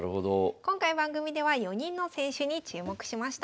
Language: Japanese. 今回番組では４人の選手に注目しました。